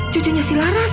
cucunya si laras